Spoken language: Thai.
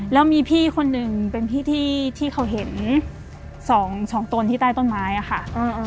แล้วมีพี่คนหนึ่งเป็นพี่ที่เขาเห็นสองตนที่ใต้ต้นไม้ค่ะ